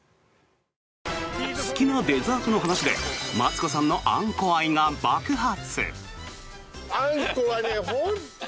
好きなデザートの話でマツコさんのあんこ愛が爆発！